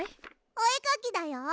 おえかきだよ。